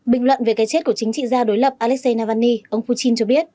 bình luận về cái chết của chính trị gia đối lập alexei navalny ông putin cho biết